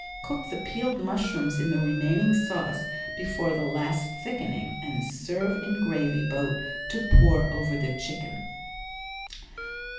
Cook the peeled mushrooms in the remaining sauce before the last thickening, and serve in gravy boat to pour over the chicken.